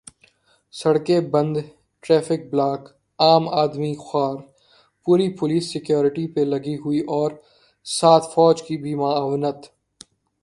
سڑکیں بند، traffic block, عام آدمی خوار، پوری پولیس سکیورٹی پہ لگی ہوئی اور ساتھ فوج کی بھی معاونت۔